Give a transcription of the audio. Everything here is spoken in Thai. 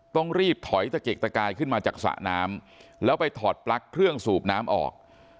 ต้องรีบถอยตะเกกตะกายขึ้นมาจากสระน้ำแล้วไปถอดปลั๊กเครื่องสูบน้ำออก